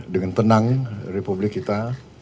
dengan tenang republik kita